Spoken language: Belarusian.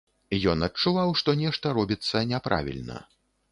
Ён адчуваў, што нешта робіцца няправільна.